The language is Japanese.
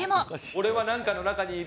俺は何かの中にいる。